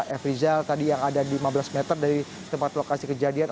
efri zal yang ada di lima belas meter dari tempat lokasi kejadian